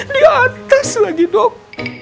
di atas lagi dok